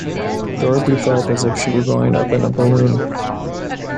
Dorothy felt as if she were going up in a balloon.